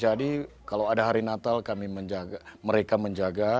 jadi kalau ada hari natal mereka menjaga